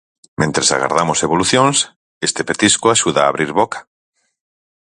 Mentres agardamos evolucións, este petisco axuda a abrir boca.